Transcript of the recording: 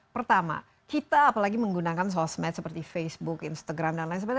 pertama kita apalagi menggunakan sosmed seperti facebook instagram dan lain sebagainya